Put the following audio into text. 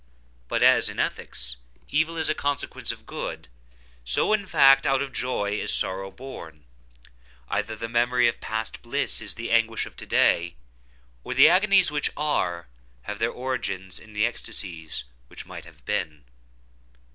But as, in ethics, evil is a consequence of good, so, in fact, out of joy is sorrow born. Either the memory of past bliss is the anguish of to day, or the agonies which are, have their origin in the ecstasies which might have been.